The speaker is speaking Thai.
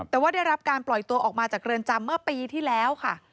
แต่ว่าได้รับการปล่อยตัวออกมาจากเรือนจำเมื่อปีที่แล้วค่ะ